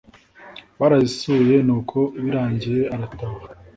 barazisuye nuko birangiye arataha